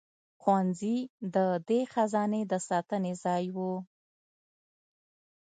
ښوونځي د دې خزانې د ساتنې ځای وو.